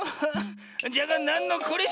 じゃがなんのこれしき。